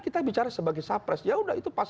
kita bicara sebagai capres ya udah itu pas